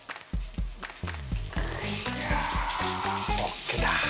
いやＯＫだ。